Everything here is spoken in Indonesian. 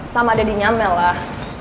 sama dadinya mel lah